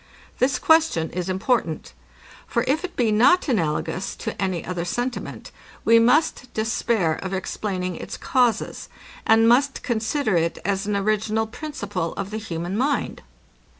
This question is important. For if it be not analogous to any other sentiment, we must despair of explaining its causes, and must consider it as an original principle of the human mind.